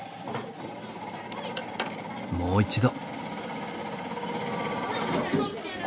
もう一度。